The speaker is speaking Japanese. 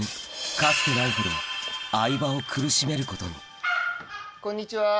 かつてないほど相葉を苦しめることにこんにちは。